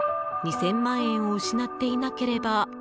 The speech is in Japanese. ２０００万円を失っていなければ。